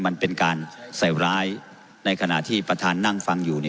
มันเป็นการใส่ร้ายในขณะที่ประธานนั่งฟังอยู่นี่